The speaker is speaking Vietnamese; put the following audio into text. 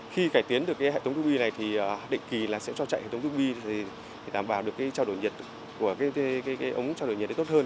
khi cải tiến được hệ thống tuô bin này thì định kỳ sẽ cho chạy hệ thống tuô bin để đảm bảo được trao đổi nhiệt của ống trao đổi nhiệt tốt hơn